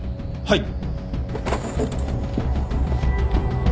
はい。